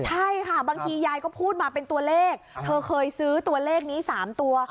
ใช่ค่ะบางทียายก็พูดมาเป็นตัวเลขเธอเคยซื้อตัวเลขนี้๓ตัว